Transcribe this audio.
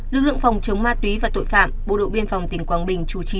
lực lượng phòng chống ma túy và tội phạm bộ đội biên phòng tỉnh quảng bình chủ trì